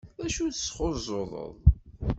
D acu tesxuẓẓuḍeḍ?